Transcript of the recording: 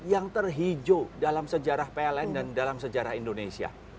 yang terhijau dalam sejarah pln dan dalam sejarah indonesia